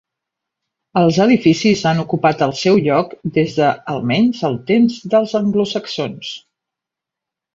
Els edificis han ocupat el seu lloc des de, almenys els temps dels anglosaxons.